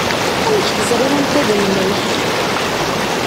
Amek teẓriḍ anta d ayla-k?